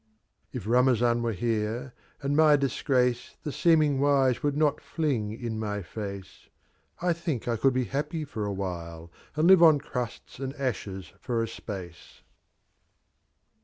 XI, If Kamayan wete here, and my Disgr^c?, The setming W%* would not flinj m my Face,— I think T could be happy lor i while, And Elve cm Crusta and Ashes, for a Space.